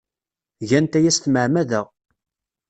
Gant aya s tmeɛmada.